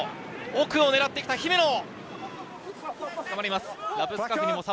奥を狙って来た姫野。